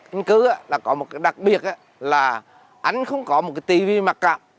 anh cư là có một cái đặc biệt là anh không có một cái tivi mặt cạp